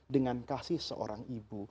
dengan kasih seorang ibu